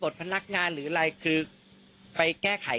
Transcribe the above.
ใช่ค่ะ